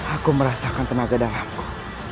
aku merasakan tenaga dalamku